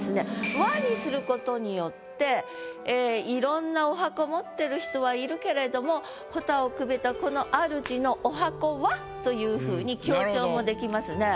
「は」にする事によっていろんな十八番持ってる人はいるけれども「榾をくべたこの主の十八番は」というふうに強調もできますね。